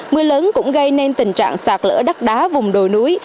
mưa lớn cũng gây nên tình trạng sạt lỡ đắt đá vùng đồi núi